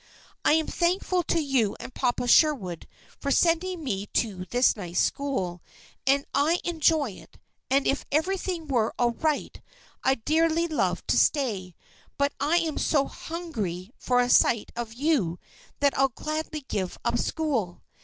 "I am thankful to you and Papa Sherwood for sending me to this nice school; and I enjoy it, and if everything were all right, I'd dearly love to stay. But I am so hungry for a sight of you that I'll gladly give up school.